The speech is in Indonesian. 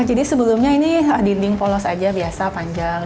jadi sebelumnya ini dinding polos aja biasa panjang